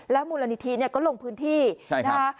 แล้วมูลนิธิก็ลงพื้นที่นะฮะ